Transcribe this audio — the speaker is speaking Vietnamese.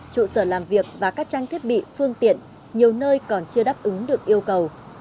trụ sở làm việc và các trang thiết bị phương tiện nhiều nơi còn chưa đáp ứng được yêu cầu